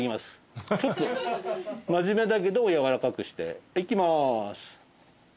真面目だけどやわらかくして。いきます。